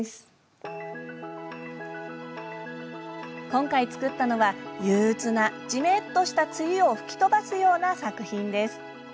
今回作ったのは憂うつな、じめっとした梅雨を吹き飛ばすような作品です。